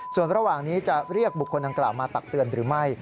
ส่วนระหว่างนี้จะเรียกบุคคลดังกล่าวมาตักเตือนหรือไม่